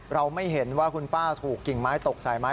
เราไม่เห็นว่าคุณป้าถูกกิ่งไม้ตกใส่ไม้